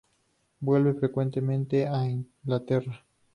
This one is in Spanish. Vuelve frecuentemente a Inglaterra.